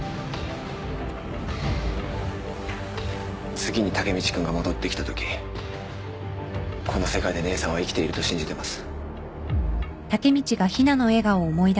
次にタケミチ君が戻ってきたときこの世界で姉さんは生きていると信じてます。